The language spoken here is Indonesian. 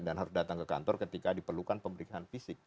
dan harus datang ke kantor ketika diperlukan pemberian fisik